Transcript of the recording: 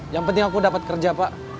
yang penting aku dapat kerja pak